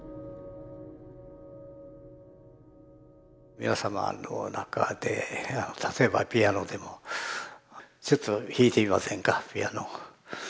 皆さまの中で例えばピアノでもちょっと弾いてみませんかピアノ。